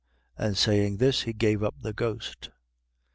And saying this, he gave up the ghost.